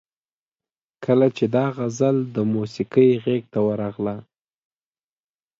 کله چې دا غزل د موسیقۍ غیږ ته ورغله.